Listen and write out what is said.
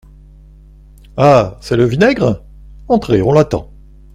Ah ! c’est le vinaigre ?… entrez, on l’attend.